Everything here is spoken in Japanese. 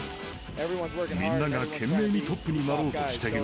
みんなが懸命にトップになろうとしている。